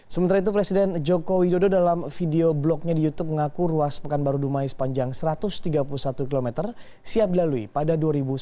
sementara itu presiden joko widodo dalam video blognya di youtube mengaku ruas pekanbaru dumai sepanjang satu ratus tiga puluh satu km siap dilalui pada dua ribu sembilan belas